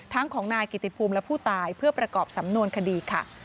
ของนายกิติภูมิและผู้ตายเพื่อประกอบสำนวนคดีค่ะ